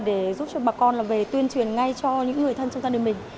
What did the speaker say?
để giúp cho bà con là về tuyên truyền ngay cho những người thân trong gia đình mình